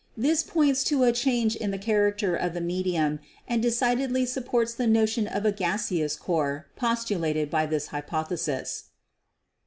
This points to a change in the character of the medium and decidedly supports the notion of a gaseous core postulated by this hypothesis.